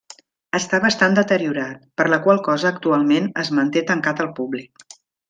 Està bastant deteriorat, per la qual cosa actualment es manté tancat al públic.